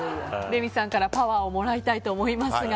レミさんからパワーをもらいたいと思いますが。